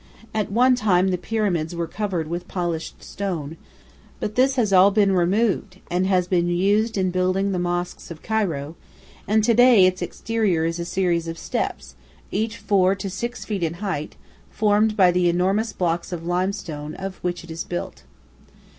At one time the pyramids were covered with polished stone, but this has all been removed and has been used in building the mosques of Cairo, and to day its exterior is a series of steps, each 4 to 6 feet in height, formed by the enormous blocks of limestone of which it is built.